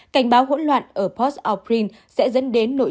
cảnh báo hỗn loạn ở port au prince sẽ dẫn đến nội truyền